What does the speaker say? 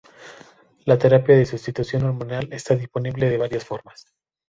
La terapia de sustitución hormonal está disponible de varias formas.